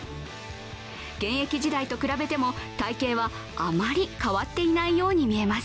現役時代と比べても体型はあまり変わっていないように見えます。